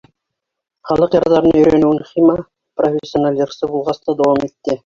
Халыҡ йырҙарын өйрәнеүен Хима профессиональ йырсы булғас та дауам итте.